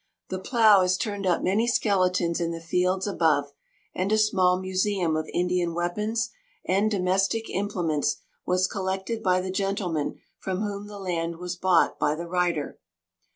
The plough has turned up many skeletons in the fields above, and a small museum of Indian weapons and domestic implements was collected by the gentleman from whom the land was bought by the writer.